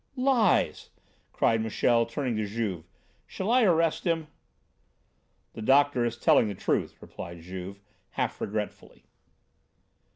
"Lies!" cried Michel, turning to Juve. "Shall I arrest him?" "The doctor is telling the truth," replied Juve, half regretfully.